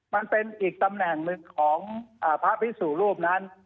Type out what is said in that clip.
มันเป็นอีกตำแหน่งหนึ่งของพระพิสุรูปนั้น